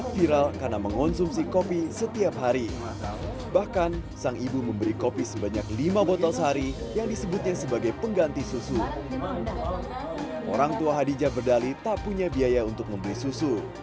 pak hadija berdali tak punya biaya untuk membeli susu